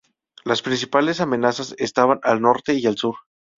Las principales amenazas estaban al norte y al sur.